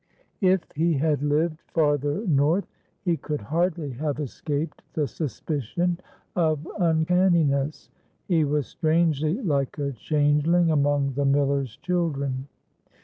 If he had lived farther north, he could hardly have escaped the suspicion of uncanniness. He was strangely like a changeling among the miller's children.